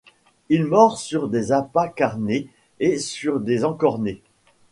Il mord sur des appâts carnés et sur les encornets.